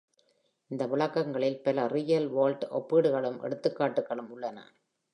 அந்த விளக்கங்களில் பல real world ஒப்பீடுகளும், எடுத்துக்காட்டுகளும் உள்ளன.